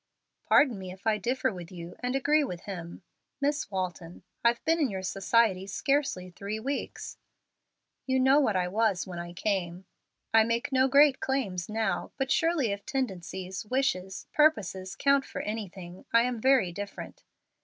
"Pardon me if I differ with you, and agree with him. Miss Walton, I've been in your society scarcely three weeks. You know what I was when I came. I make no great claims now, but surely if tendencies, wishes, purposes count for anything, I am very different.